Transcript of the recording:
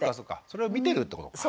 それを見てるってことか。